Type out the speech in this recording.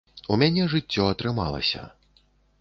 У мяне жыццё атрымалася.